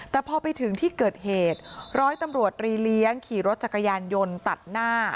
แต่พอไปถึงที่เกิดเหตุร้อยตำรวจรีเลี้ยงขี่รถจักรยานยนต์ตัดหน้า